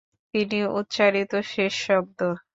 তিনি উচ্চারিত শেষ শব্দ।